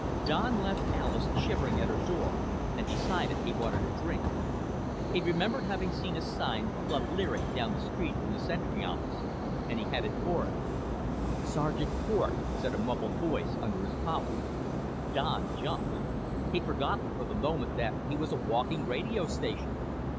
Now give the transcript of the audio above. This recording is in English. Don left Alis, shivering, at her door and decided he wanted a drink. He remembered having seen a sign, Club Lyric, down the street from the Sentry office and he headed for it. "Sergeant Cort," said a muffled voice under his collar. Don jumped. He'd forgotten for the moment that he was a walking radio station.